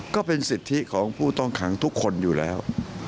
ก็เป็นสิทธิของผู้ต้องขังทุกคนอยู่แล้ว